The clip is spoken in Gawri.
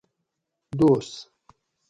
دوس